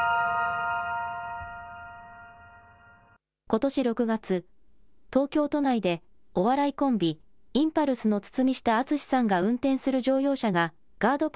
ことし６月、東京都内でお笑いコンビ、インパルスの堤下敦さんが運転する乗用車がガード